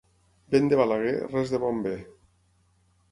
Vent de Balaguer, res de bo en ve.